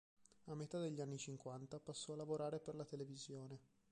A metà degli anni cinquanta, passò a lavorare per la televisione.